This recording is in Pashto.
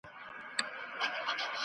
اسلام د بې وزلو لپاره د امید نښه ده.